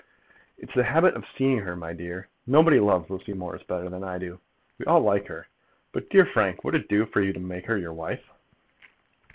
"It's the habit of seeing her, my dear. Nobody loves Lucy Morris better than I do. We all like her. But, dear Frank, would it do for you to make her your wife?"